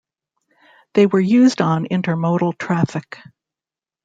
They were used on intermodal traffic.